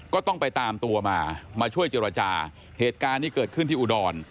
ก็ต้องไปตามตัวมามาช่วยเจรจาเหตุการณ์ที่เกิดขึ้นที่อุดร